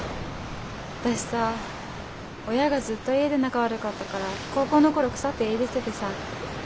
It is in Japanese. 私さ親がずっと家で仲悪かったから高校の頃腐って家出しててさ。